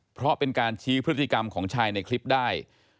เพราะเป็นการชี้พฤติกรรมของชายในคลิปได้